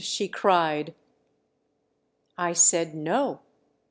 she cried. " I said, " No."